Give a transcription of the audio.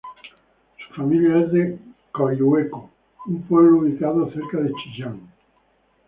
Su familia es de Coihueco, un pueblo ubicado cerca de Chillán.